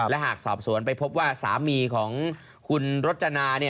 และหากสอบสวนไปพบว่าสามีของคุณรจนา